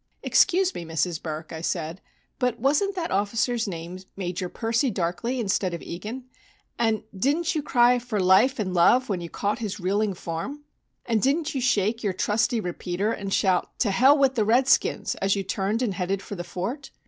"Excuse me, Mrs. Burk," I said, "but wasn't that officer's name Major Percy Darkleigh instead of Egan? And didn't you cry 'For life and love!' when you caught his reeling form? And didn't you shake your trusty repeater and shout 'To hell with the redskins!' as you turned and headed for the fort?